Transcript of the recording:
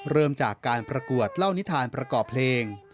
เริ่มจากการประกวดเล่านิทานประกอบเพลง